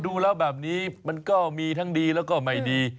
ดูแล้วแบบนี้มันก็มีทั้งดีแล้วก็ไม่ดี